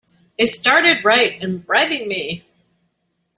They started right in bribing me!